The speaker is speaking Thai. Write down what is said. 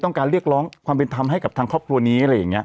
ต้องการเรียกร้องความเป็นทำให้กับทางครอบครัวนี้